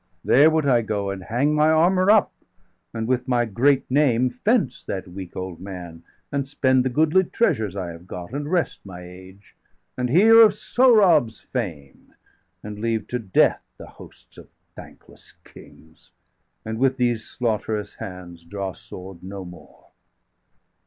235 There would I go, and hang my armour up, And with my great name fence that weak old man, And spend the goodly treasures I have got, And rest my age, and hear of Sohrab's fame, And leave to death the hosts of thankless kings, 240 And with these slaughterous hands draw sword no more."